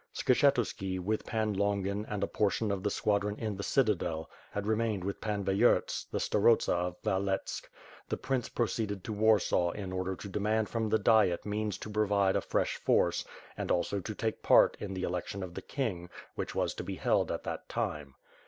Skshetuski, with Pan Longin and a portion of the squadron in the citadel, had remained with Pan Vey herz, the Starotsa of Valetsk; the prince proceeded to War saw in order to demand from the Diet means to provide a fresh force, and also to take part in the election of the king, which was to be held at that time.